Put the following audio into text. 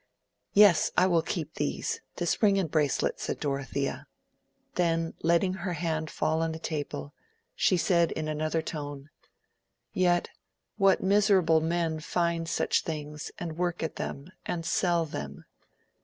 "Yes! I will keep these—this ring and bracelet," said Dorothea. Then, letting her hand fall on the table, she said in another tone—"Yet what miserable men find such things, and work at them, and sell them!"